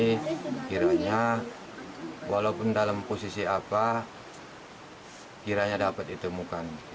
saya kira walaupun dalam posisi apa kira dapat ditemukan